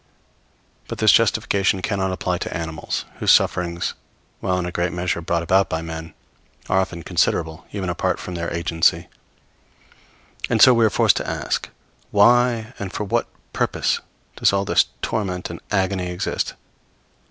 But this justification cannot apply to animals, whose sufferings, while in a great measure brought about by men, are often considerable even apart from their agency. And so we are forced to ask, Why and for what purpose does all this torment and agony exist?